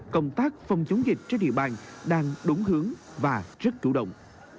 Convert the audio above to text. công tác phòng chống dịch trên địa bàn đang đúng hướng và rất chủ động